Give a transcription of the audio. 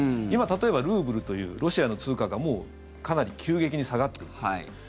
今、例えばルーブルというロシアの通貨がもうかなり急激に下がっています。